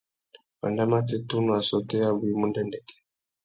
Wanda matê tunu assôtô yabú i mú ndêndêk.